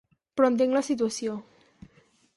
Però entenc la situació.